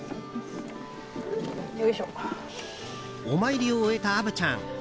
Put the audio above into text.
お参りを終えた虻ちゃん